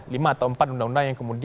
lima atau empat undang undang yang kemudian